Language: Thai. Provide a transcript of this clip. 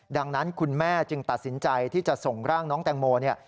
ดังนั้นคุณแม่จึงตัดสินใจที่จะส่งร่างน้องแตงโมเนี่ย